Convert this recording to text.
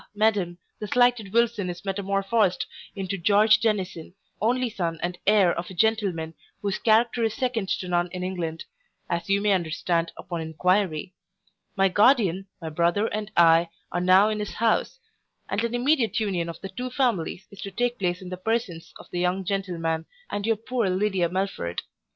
madam, the slighted Wilson is metamorphosed into George Dennison, only son and heir of a gentleman, whose character is second to none in England, as you may understand upon inquiry. My guardian, my brother and I, are now in his house; and an immediate union of the two families is to take place in the persons of the young gentleman and your poor Lydia Melford.